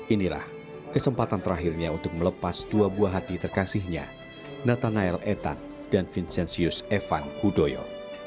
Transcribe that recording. inilah kesempatan terakhirnya untuk melepas dua buah hati terkasihnya natanael etan dan vincenzius evan hudoyo